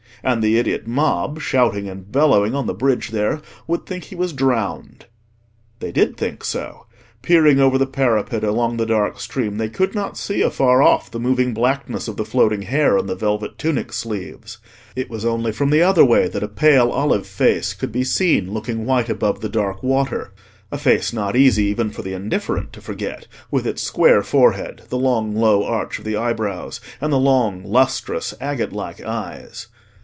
And the idiot mob, shouting and bellowing on the bridge there, would think he was drowned. They did think so. Peering over the parapet along the dark stream, they could not see afar off the moving blackness of the floating hair, and the velvet tunic sleeves. It was only from the other way that a pale olive face could be seen looking white above the dark water: a face not easy even for the indifferent to forget, with its square forehead, the long low arch of the eyebrows, and the long lustrous agate like eyes.